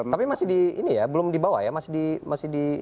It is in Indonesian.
tapi masih di ini ya belum dibawa ya masih di